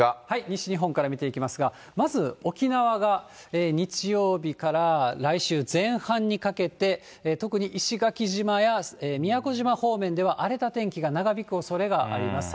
西日本から見ていきますが、まず沖縄が日曜日から来週前半にかけて、特に石垣島や宮古島方面では荒れた天気が長引くおそれがあります。